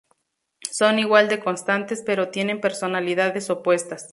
Son igual de constantes, pero tienen personalidades opuestas.